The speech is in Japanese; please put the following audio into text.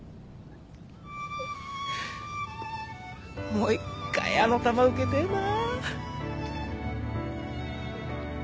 もう一回あの球受けてえな。